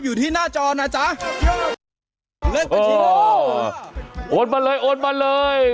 อยู่ที่หน้าจอนะจ๊ะโอ้โอ้นมาเลยโอ้นมาเลย